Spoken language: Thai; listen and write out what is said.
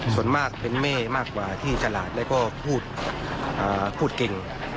ส่วนมากเป็นเม่มากกว่าที่ฉลาดแล้วก็พูดเก่ง